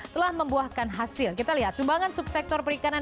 telah membuahkan hasil kita lihat sumbangan subsektor perikanan